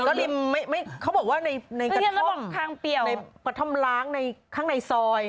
ก็ริมไม่เขาบอกว่าในกระท่องในกระท่องล้างข้างในซอยแล้วเรียกว่าทางเปรียว